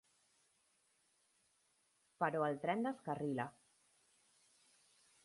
Però el tren descarrila.